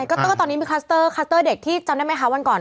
ก็ตอนนี้มีคลัสเตอร์คลัสเตอร์เด็กที่จำได้ไหมคะวันก่อน